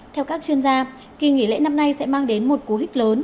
theo các chuyên gia kỳ nghỉ lễ năm nay sẽ mang đến một cố hích lớn